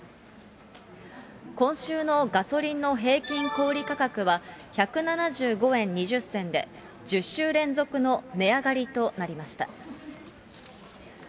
今週のガソリンの平均小売り価格は１７５円２０銭で、１０週連続の値上がりとなりました。